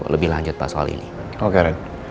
lebih lanjut pak soal ini oke